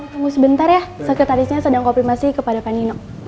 tunggu sebentar ya sekretarisnya sedang koprimasi kepada panino